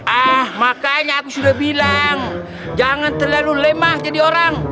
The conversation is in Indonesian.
ah makanya aku sudah bilang jangan terlalu lemah jadi orang